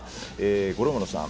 五郎丸さん。